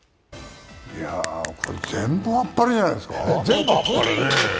いやー、これ全部あっぱれじゃないですか。